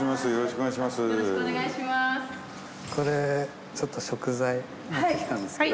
これちょっと食材持ってきたんですけど。